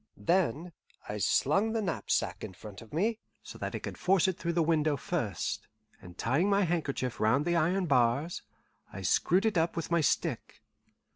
Then I slung the knapsack in front of me, so that I could force it through the window first, and tying my handkerchief round the iron bars, I screwed it up with my stick.